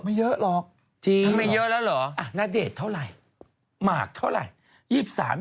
ไม่เยอะหรอกจริงทำไมเยอะแล้วเหรอณเดชน์เท่าไหร่หมากเท่าไหร่